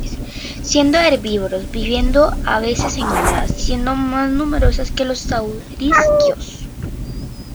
Siendo herbívoros, vivieron a veces en manadas, siendo más numerosa que los saurisquios.